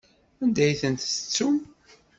Anda ay tent-tettum?